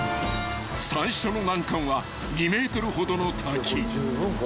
［最初の難関は２ｍほどの滝］